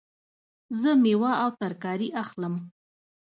زه میوه او ترکاری اخلم